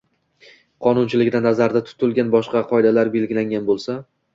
qonunchiligida nazarda tutilganidan boshqacha qoidalar belgilangan bo‘lsa